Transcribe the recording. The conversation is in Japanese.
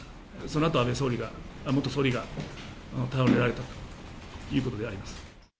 そのあと、安倍総理が、元総理が倒れられたということであります。